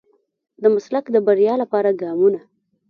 د مسلک د بريا لپاره ګامونه.